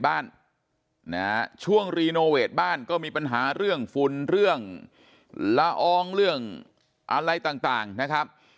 บ้านนะฮะช่วงรีโนเวทบ้านก็มีปัญหาเรื่องฝุ่นเรื่องละอองเรื่องอะไรต่างนะครับ